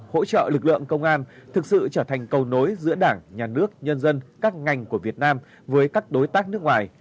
hỗ trợ lực lượng công an thực sự trở thành cầu nối giữa đảng nhà nước nhân dân các ngành của việt nam với các đối tác nước ngoài